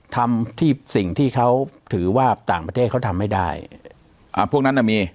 ทำที่สิ่งที่เขาถือว่าต่างประเทศเขาทำไม่ได้อ่าพวกนั้นน่ะมี